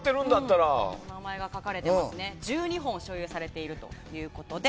１２本所有されているということで。